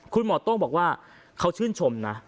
คุณหมอโต๊งบอกว่าเขาชื่นชมนะ